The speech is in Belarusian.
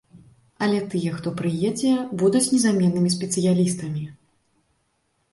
Але тыя, хто прыедзе, будуць незаменнымі спецыялістамі.